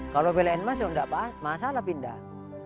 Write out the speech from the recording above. kalau pln masuk enggak apa masalah pindah